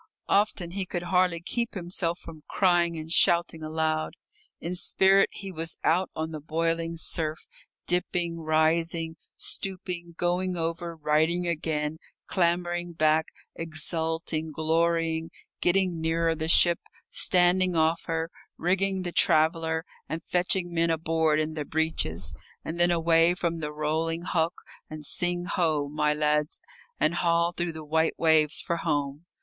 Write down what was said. Often he could hardly keep himself from crying and shouting aloud. In spirit he was out on the boiling surf, dipping, rising, stooping, going over, righting again, clambering back, exulting, glorying, getting nearer the ship, standing off her, rigging the "traveller," and fetching men aboard in the "breeches." And then away from the rolling hulk, and sing ho, my lads, and haul through the white waves for home.